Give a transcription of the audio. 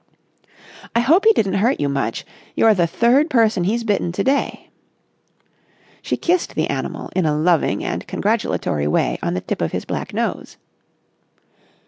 "I hope he didn't hurt you much. You're the third person he's bitten to day." She kissed the animal in a loving and congratulatory way on the tip of his black nose.